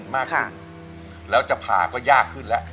มากขึ้นแล้วจะผ่าก็ยากขึ้นแล้ว